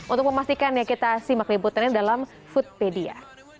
untuk memastikan ya kita simak liputannya dalam foodpedia